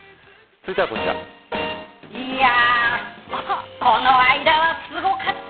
いやあ、この間はすごかった。